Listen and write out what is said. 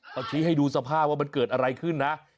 เขาชี้ให้ดูสภาพว่ามันเกิดอะไรขึ้นนะ